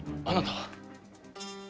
あなたは？